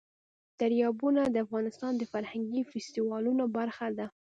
دریابونه د افغانستان د فرهنګي فستیوالونو برخه ده.